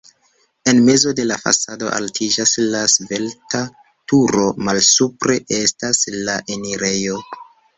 En mezo de la fasado altiĝas la svelta turo, malsupre estas la enirejo.